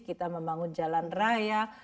kita membangun jalan raya